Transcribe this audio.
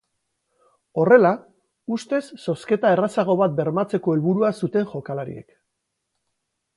Horrela, ustez zozketa errazago bat bermatzeko helburua zuten jokalariek.